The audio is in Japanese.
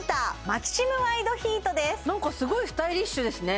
なんかすごいスタイリッシュですね